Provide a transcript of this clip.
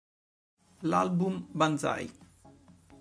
L'album "Banzai!